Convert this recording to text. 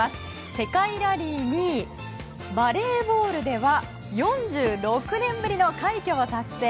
世界ラリーにバレーボールでは４６年ぶりの快挙を達成。